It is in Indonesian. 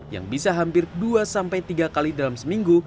yang bisa hampir dua tiga kali dalam seminggu